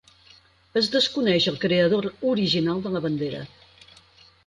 Es desconeix el creador original de la bandera.